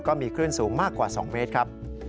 ก็มีคลื่นสูงมากกว่า๒เมตรครับ